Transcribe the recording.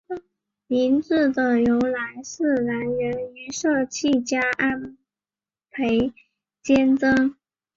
名字的由来是来自于设计家安部兼章。